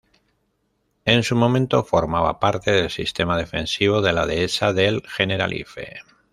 En su momento, formaba parte del sistema defensivo de la Dehesa del Generalife.